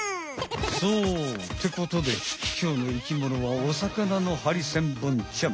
そうってことできょうの生きものはお魚のハリセンボンちゃん。